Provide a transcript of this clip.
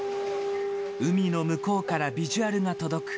海の向こうからビジュアルが届く。